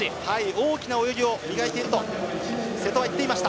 大きな泳ぎを磨いていると瀬戸は言っていました。